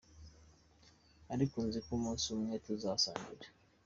ariko nzi ko umunsi umwe tuzasangira.